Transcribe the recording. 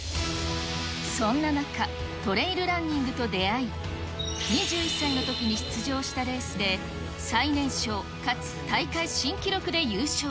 そんな中、トレイルランニングと出会い、２１歳のときに出場したレースで、最年少かつ大会新記録で優勝。